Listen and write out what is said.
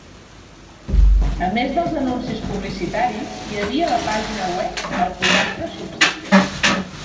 A més dels anuncis publicitaris, hi havia la pàgina web "El pollastre subsistent".